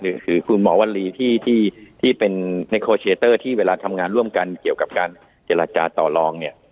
คือคุณหมอวัลลีที่เป็นในโคเชเตอร์ที่เวลาทำงานร่วมกันเกี่ยวกับการเจรจาต่อลองเนี่ย